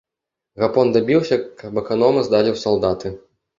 Гапон дабіўся, каб аканома здалі ў салдаты.